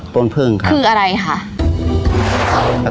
ต้นพึ่งค่ะคืออะไรค่ะ